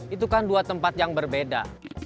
itu kan dua tempat yang berbeda